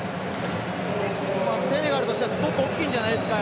セネガルとしてはすごく大きいんじゃないですか